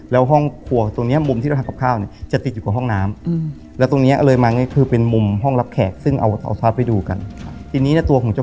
แล้วห้องครัวตรงนี้มุมที่เราทำครับข้าว